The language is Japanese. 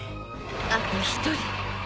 あと１人。